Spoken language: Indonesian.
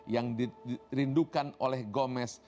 yang dirindukan oleh gomez